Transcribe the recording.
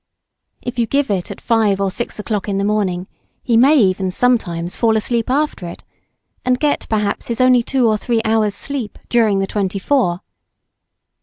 If you give it at 5 or 6 o'clock in the morning, he may even sometimes fall asleep after it, and get perhaps his only two or three hours' sleep during the twenty four.